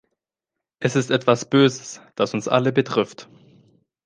Es ist etwas Böses, das uns alle betrifft.